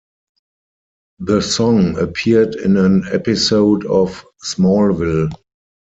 The song appeared in an episode of "Smallville".